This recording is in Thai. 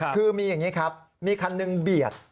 คือมีอย่างนี้ครับมีคันหนึ่งเบียด